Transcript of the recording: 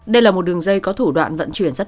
đây là một đường dây có thủ đoạn vận chuyển rất lớn